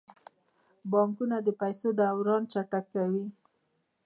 بانکونه د پیسو دوران چټکوي.